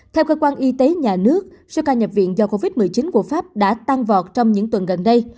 theo cơ quan y tế nhà nước số ca nhập viện do covid một mươi chín của pháp đã tăng vọt trong những tuần gần đây